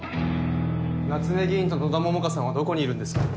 夏目議員と野田桃花さんはどこにいるんですか？